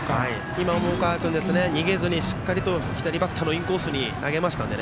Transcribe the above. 今の重川君、逃げずにしっかりと左バッターのインコースに投げました。